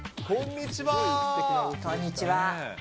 こんにちは。